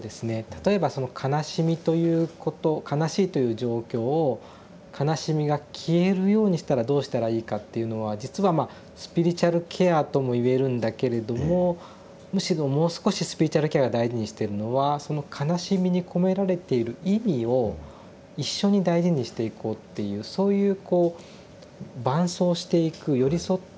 例えばその悲しみということ悲しいという状況を悲しみが消えるようにしたらどうしたらいいかっていうのは実はまあスピリチュアルケアともいえるんだけれどもむしろもう少しスピリチュアルケアが大事にしてるのはその悲しみに込められている意味を一緒に大事にしていこうっていうそういうこう伴走していく寄り添一緒にですね